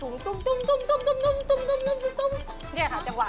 นี่ค่ะจังหวะ